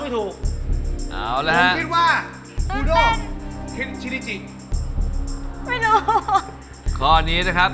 แต่ว่าถามก็คือมันก็เห็นชื่อเหมือนกัน